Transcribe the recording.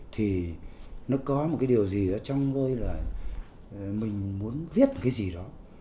thì nó có một cái điều gì đó trong tôi là mình muốn viết một cái gì đó